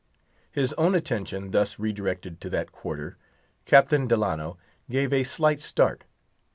His own attention thus redirected to that quarter, Captain Delano gave a slight start.